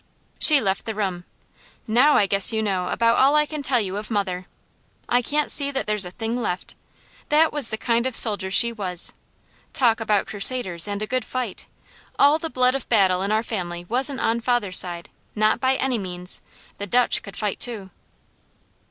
She left the room. NOW, I guess you know about all I can tell you of mother! I can't see that there's a thing left. That was the kind of soldier she was. Talk about Crusaders, and a good fight! All the blood of battle in our family wasn't on father's side, not by any means! The Dutch could fight too!